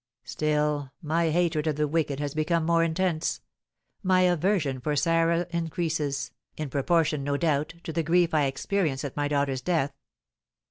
"Still, my hatred of the wicked has become more intense; my aversion for Sarah increases, in proportion, no doubt, to the grief I experience at my daughter's death.